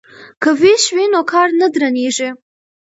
که ویش وي نو کار نه درندیږي.